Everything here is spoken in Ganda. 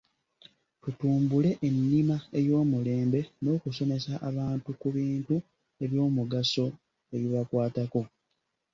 Tutumbule ennima ey'omulembe n'okusomesa abantu ku bintu ebyomugaso ebibakwatako